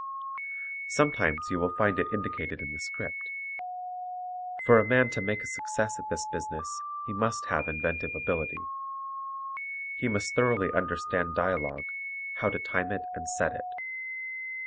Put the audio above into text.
Sometimes you will find it indicated in the script. For a man to make a success at this business he must have inventive ability. He must thoroughly understand dialogue, how to time it and set it.